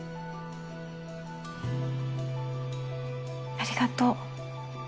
ありがとう。